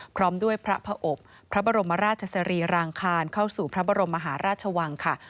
พร้อมด้วยพระพระอบพระบรมราชสรีรางคารเข้าสู่พระบรมมหาราชวังค่ะ